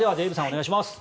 お願いします。